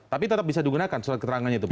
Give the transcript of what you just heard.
tapi tetap bisa digunakan surat keterangan itu pak